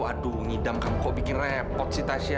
aduh ngidam kamu kok bikin repot sih tasnya